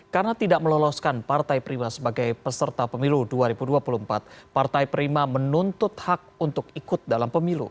karena tidak meloloskan partai prima sebagai peserta pemilu dua ribu dua puluh empat partai prima menuntut hak untuk ikut dalam pemilu